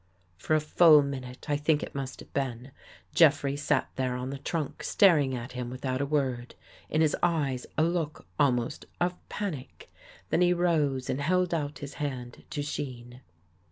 For a full minute, I think it must have been, Jeffrey sat there on the trunk staring at him without a word, in his eyes a look almost of panic. Then he rose and held out his hand to Shean.